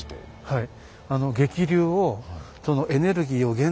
はい。